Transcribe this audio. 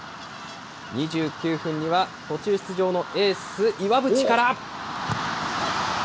２９分には、途中出場のエース、岩渕から。